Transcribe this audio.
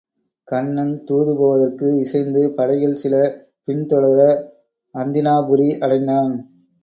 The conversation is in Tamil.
கண்ணன் தூது போவதற்கு இசைந்து படைகள் சில பின் தொடர அந்தினாபுரி அடைந்தான்.